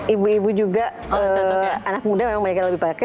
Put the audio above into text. ibu ibu juga anak muda memang banyak yang lebih pakai